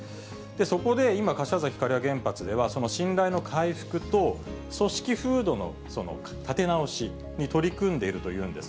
そこで今、柏崎刈羽原発では、その信頼の回復と、組織風土の立て直しに取り組んでいるというんです。